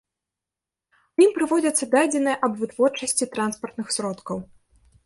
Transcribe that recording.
У ім прыводзяцца дадзеныя аб вытворчасці транспартных сродкаў.